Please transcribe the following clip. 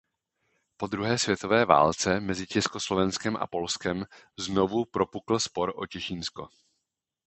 Po druhé světové válce mezi Československem a Polskem znovu propukl spor o Těšínsko.